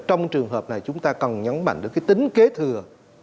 trong trường hợp này chúng ta cần nhấn mạnh được cái tính kế thừa